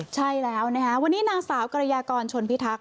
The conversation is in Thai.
ใช่แล้วนะคะวันนี้นางสาวกรยากรชนพิทักษ